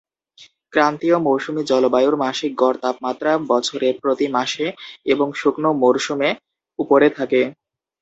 ক্রান্তীয় মৌসুমী জলবায়ুর মাসিক গড় তাপমাত্রা বছরের প্রতি মাসে এবং শুকনো মরসুমে উপরে থাকে।